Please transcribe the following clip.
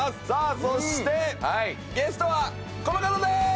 そしてゲストはこの方です。